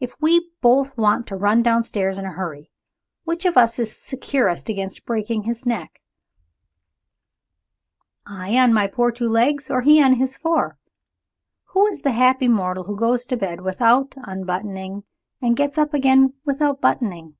If we both want to run downstairs in a hurry, which of us is securest against breaking his neck I on my poor two legs, or he on his four? Who is the happy mortal who goes to bed without unbuttoning, and gets up again without buttoning?